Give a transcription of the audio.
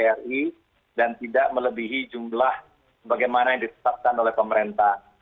dan tidak melebihi jumlah bagaimana yang disetapkan oleh pemerintah